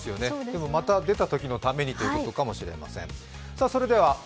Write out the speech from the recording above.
でもまた出たときのためにということかもしれません。